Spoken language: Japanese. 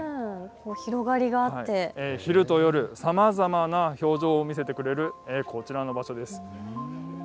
広がりがあって昼と夜、さまざまな表情を見せてくれるこちらの場所です。